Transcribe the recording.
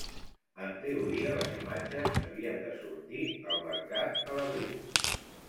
En teoria, les imatges havien de sortir al mercat a l'abril.